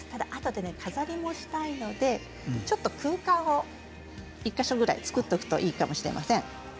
あとで飾りもしたいのでちょっと空間を、１か所くらい作っておくといいとしれません。